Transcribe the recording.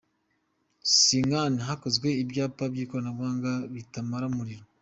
Singhgad: Hakozwe ibyapa by’ikoranabuhanga bitamara umuriro.